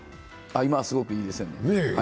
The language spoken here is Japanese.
今すごくいいですよね。